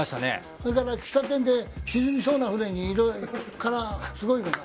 それから喫茶店で沈みそうな船にすごいのが。